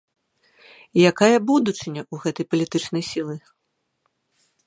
Якая будучыня ў гэтай палітычнай сілы?